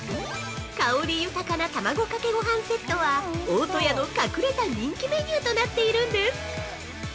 香り豊かな卵かけごはんセットは大戸屋の隠れた人気メニューとなっているんです。